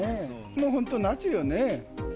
もう本当夏よね。